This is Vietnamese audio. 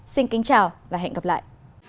xin kính chào và hẹn gặp lại